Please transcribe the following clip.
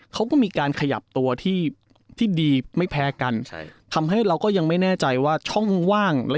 เขาก็มีการขยับตัวที่ดีไม่แพ้กันทำให้เราก็ยังไม่แน่ใจว่าช่องว่าง